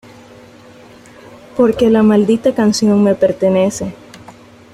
Porque la maldita canción me pertenece.